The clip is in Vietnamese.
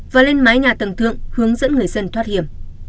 và lên mái nhà tầng thượng hướng dẫn người dân thoát hiểm